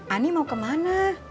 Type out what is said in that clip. ani mau kemana